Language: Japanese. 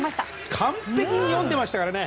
完璧に読んでましたからね